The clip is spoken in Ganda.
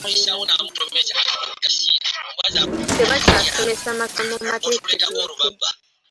Tebakyasomesa masomo mateeketeeke.